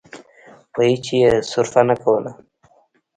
په هېڅ شي يې صرفه نه کوله.